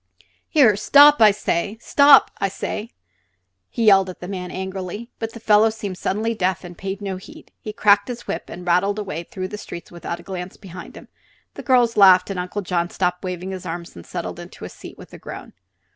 "Here stop! Stop, I say!" he yelled at the man, angrily. But the fellow seemed suddenly deaf, and paid no heed. He cracked his whip and rattled away through the streets without a glance behind him. The girls laughed and Uncle John stopped waving his arms and settled into his seat with a groan.